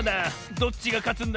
どっちがかつんだ？